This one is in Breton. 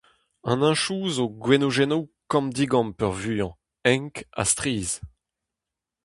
An hentoù zo gwenodennoù kamm-digamm peurvuiañ, enk ha strizh.